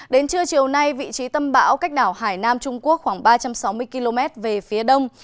đến trưa chiều nay vị trí tâm bão cách đảo hải nam trung quốc khoảng ba trăm sáu mươi km về phía đông